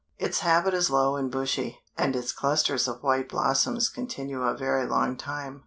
Its habit is low and bushy, and its clusters of white blossoms continue a very long time.